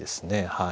はい。